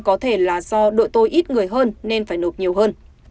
có thể là do độ tôi ít người hơn nên phải nộp nhiều hơn